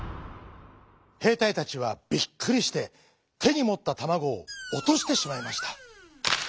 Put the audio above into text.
へいたいたちはびっくりしててにもったたまごをおとしてしまいました。